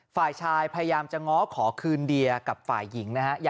ฝ่ายชายพยายามจะง้อขอคืนเดียกับฝ่ายหญิงนะฮะ